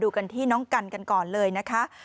กันที่น้องกันกันก่อนเลยนะคะ